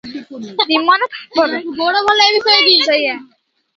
Garfield wonders if the lack of food is making him hallucinate.